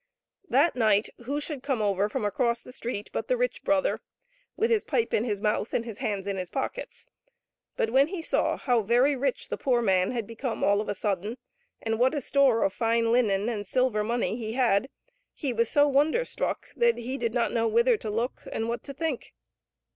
That night who should come over from across the street but the rich brother, with his pipe in his mouth and his hands in his pockets. But when he saw how very rich the poor man had become all of a sudden, and what a store of fine linen and silver money he had, he was so wonder struck that he did not know whither to look and what to think.